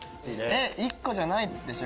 １個じゃないでしょ